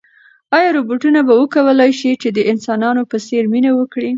ایا روبوټونه به وکولای شي چې د انسانانو په څېر مینه وکړي؟